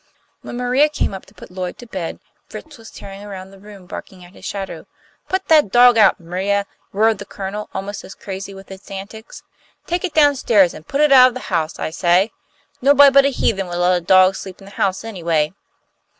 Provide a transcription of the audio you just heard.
When Maria came up to put Lloyd to bed, Fritz was tearing around the room barking at his shadow. "Put that dog out, M'ria!" roared the Colonel, almost crazy with its antics. "Take it down stairs, and put it out of the house, I say! Nobody but a heathen would let a dog sleep in the house, anyway."